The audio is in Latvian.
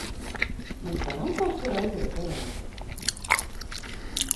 Mēs varam kaut kur aiziet parunāt?